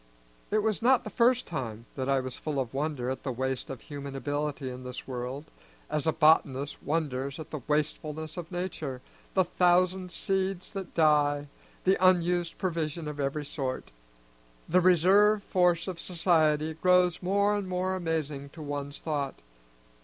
It was not the first time that I was full of wonder at the waste of human ability in this world, as a botanist wonders at the wastefulness of nature, the thousand seeds that die, the unused provision of every sort. The reserve force of society grows more and more amazing to one's thought.